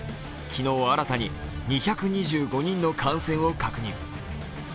昨日新たに２２５人の感染を確認。